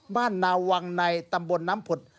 บ้านนาววังในตำบลน้ำผุด